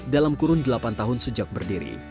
dalam kurun delapan tahun sejak berdiri